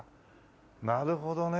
なるほどね。